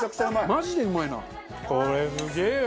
マジでうまいな。